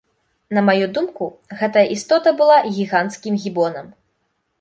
На маю думку гэтая істота была гіганцкім гібонам.